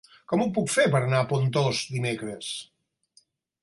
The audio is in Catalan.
Com ho puc fer per anar a Pontós dimecres?